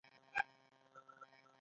د کونړ په شیګل کې څه شی شته؟